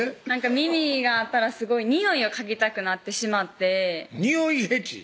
耳があったらすごいにおいを嗅ぎたくなってしまってにおいフェチ？